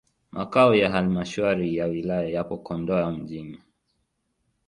Makao ya halmashauri ya wilaya yapo Kondoa mjini.